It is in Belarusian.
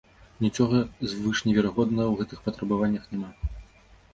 Нічога звышневерагоднага ў гэтых патрабаваннях няма.